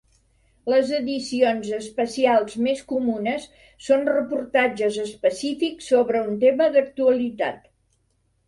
Les edicions especials més comunes són reportatges específics sobre un tema d'actualitat.